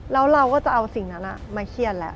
แล้วเราก็จะเอาสิ่งนั้นมาเครียดแล้ว